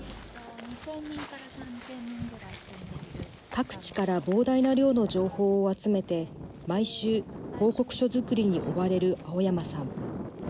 各地から膨大な量の情報を集めて毎週、報告書作りに追われる青山さん。